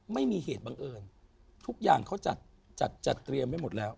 ไม่มีเหตุบังเอิญทุกอย่างเขาจัดจัดเตรียมไว้หมดแล้ว